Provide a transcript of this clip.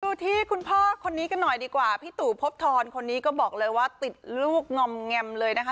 ดูที่คุณพ่อคนนี้กันหน่อยดีกว่าพี่ตู่พบทรคนนี้ก็บอกเลยว่าติดลูกงอมแงมเลยนะคะ